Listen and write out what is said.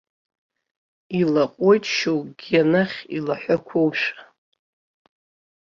Илаҟәуеит шьоукгьы анахь, илаҳәақәоушәа.